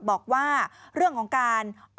บอกว่าร่วงของการออกไหม